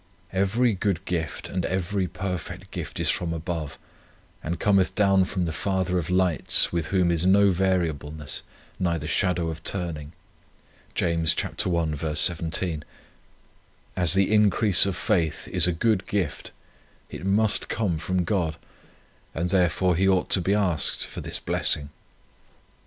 Every good gift and every perfect gift is from above, and cometh down from the Father of lights, with whom is no variableness, neither shadow of turning." James i. 17. As the increase of faith is a good gift, it must come from God, and therefore He ought to be asked for this blessing.